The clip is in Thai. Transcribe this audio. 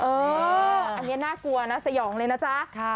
อันนี้น่ากลัวนะสยองเลยนะจ๊ะ